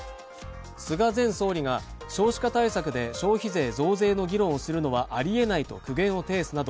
菅前総理が少子化対策で消費税増税の議論をするのはありえないと苦言を呈すなど、